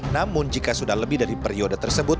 namun jika sudah lebih dari periode tersebut